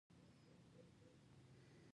پیلوټ په زړورتیا مشهور دی.